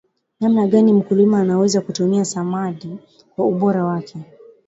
namna gani mkulima anaweza kutumia samadi kwa ubora wake